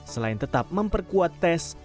selain tetap memperkuat tes